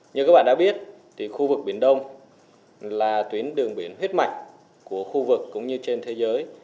như các bạn đã biết thì khu vực biển đông là tuyến đường biển huyết mạch của khu vực cũng như trên thế giới